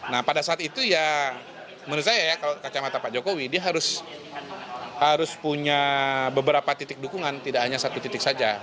nah pada saat itu ya menurut saya ya kalau kacamata pak jokowi dia harus punya beberapa titik dukungan tidak hanya satu titik saja